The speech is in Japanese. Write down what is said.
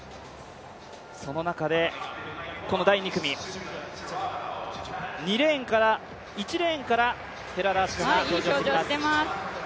その中でこの第２組、１レーンから寺田明日香が登場してきています。